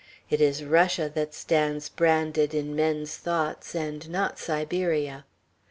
It is Russia that stands branded in men's thoughts, and not Siberia.